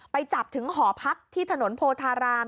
ไปจับถึงหอพักที่ถนนโพธาราม